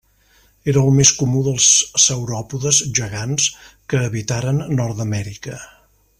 Era el més comú dels sauròpodes gegants que habitaren Nord-amèrica.